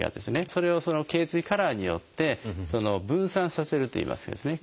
それをその頚椎カラーによって分散させるといいますかですね